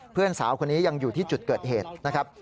เพื่อนสาวคนนี้ยังอยู่ที่จุดเกิดเหตุนะครับ